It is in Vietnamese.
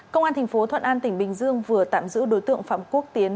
công an tp thuận an tỉnh bình dương vừa tạm giữ đối tượng phạm quốc tiến